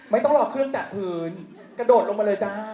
ไม่ต้องรอเครื่องดักพื้นกระโดดลงมาเลยจ้า